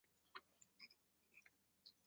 盐酸奥洛他定以浓度依赖方式抑制反应。